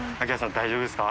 大丈夫ですか？